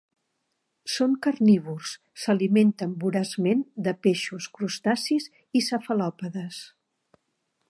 Són carnívors, s'alimenten voraçment de peixos, crustacis i cefalòpodes.